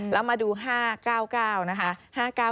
แล้วมาดู๕๙๙นะคะ